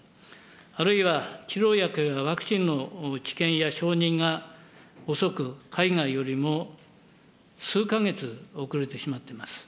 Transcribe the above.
あるいは治療薬やワクチンの治験や承認が遅く、海外よりも数か月遅れてしまっています。